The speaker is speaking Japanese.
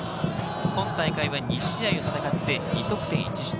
今大会２試合を戦って２得点１失点。